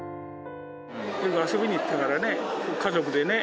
よく遊びに行ったからね、家族でね。